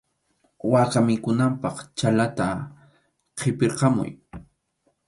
Waka mikhunanpaq chhallata qʼipirqamuy.